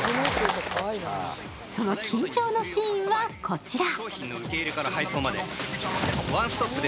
その緊張のシーンは、こちら。